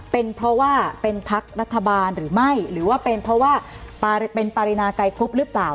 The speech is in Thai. เป็นเพราะว่าเป็นพักรัฐบาลหรือไม่หรือว่าเป็นเพราะว่าเป็นปรินาไกรครุบหรือเปล่า